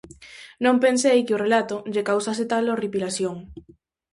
Non pensei que o relato lle causase tal horripilación.